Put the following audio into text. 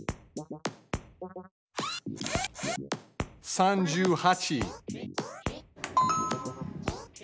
３８。